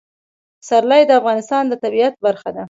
پسرلی د افغانستان د طبیعت برخه ده.